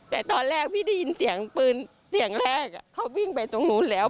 แต่ตอนแรกพี่ได้ยินเสียงปืนเสียงแรกเขาวิ่งไปตรงนู้นแล้ว